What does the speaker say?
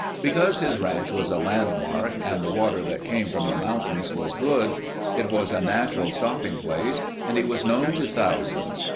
Because his ranch was a landmark and the water that came from the mountains was good, it was a natural stopping place and he was known to thousands.